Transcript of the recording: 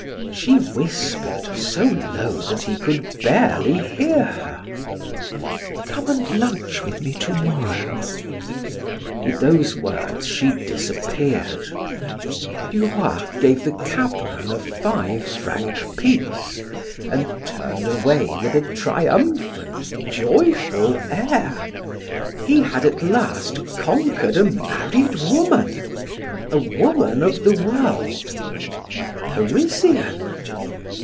She whispered so low that he could barely hear her: "Come and lunch with me to morrow." With those words she disappeared. Duroy gave the cabman a five franc piece, and turned away with a triumphant, joyful air. He had at last conquered a married woman! A woman of the world! A Parisian!